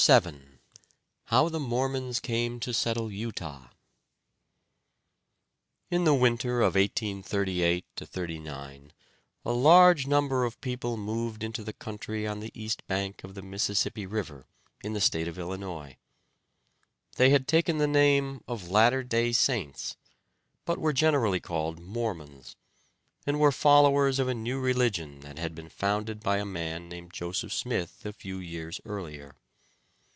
VII HOW THE MORMONS CAME TO SETTLE UTAH In the winter of 1838 39 a large number of people moved into the country on the east bank of the Mississippi River in the state of Illinois. They had taken the name of "Latter Day Saints," but were generally called Mormons, and were followers of a new religion that had been founded by a man named Joseph Smith a few years earlier.